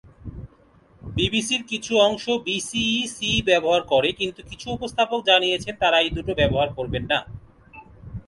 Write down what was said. বিবিসির কিছু অংশ বিসিই/সিই ব্যবহার করে, কিন্তু কিছু উপস্থাপক জানিয়েছেন তারা এই দুটো ব্যবহার করবেন না।